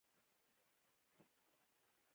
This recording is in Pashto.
موږ د خپلې اسودګۍ پرځای د یو بل وژلو ته مخه کړه